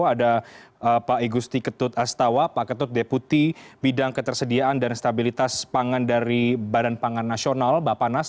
ada pak igusti ketut astawa pak ketut deputi bidang ketersediaan dan stabilitas pangan dari badan pangan nasional bapak nas